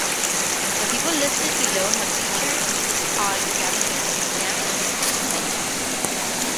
The people listed below have featured on Gabonese stamps since independence.